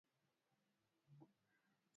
Bwana pokea sifa.